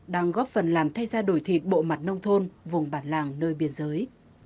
đang góp phần làm thay ra đổi thịt bộ mặt nông thôn vùng bản làng nơi biên giới